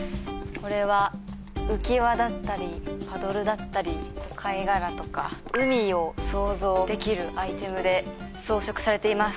これは浮き輪だったりパドルだったり貝殻とか海を想像できるアイテムで装飾されています